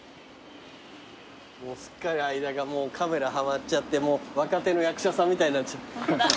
もうすっかり相田がカメラはまっちゃって若手の役者さんみたいになっちゃった。